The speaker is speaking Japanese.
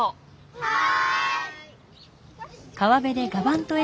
はい。